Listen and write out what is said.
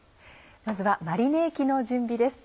まずはマリネ液の準備です。